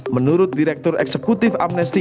menurut direktur eksekutif amnesti